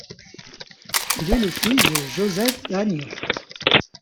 Il est le fils de Jozef Daňo.